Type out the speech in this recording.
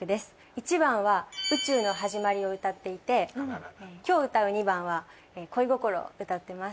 １番は宇宙の始まりを歌っていて今日歌う２番は恋心を歌ってます。